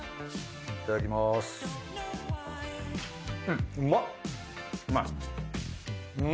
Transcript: いただきます。